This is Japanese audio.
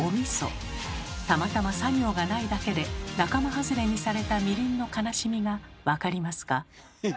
たまたまさ行がないだけで仲間外れにされたみりんの悲しみが分かりますか？